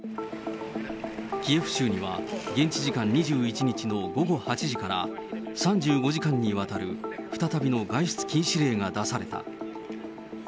キエフ州には、現地時間２１日の午後８時から３５時間にわたる、再びの外出禁止令が出された。